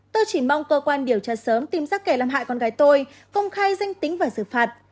tôi chỉ mong cơ quan điều tra sớm tìm ra kẻ làm hại con gái tôi công khai danh tính và xử phạt